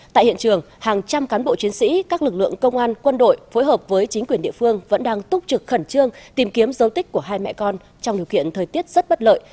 tại hiện trường hàng trăm cán bộ chiến sĩ các lực lượng công an quân đội phối hợp với chính quyền địa phương vẫn đang túc trực khẩn trương tìm kiếm dấu tích của hai mẹ con trong điều kiện thời tiết rất bất lợi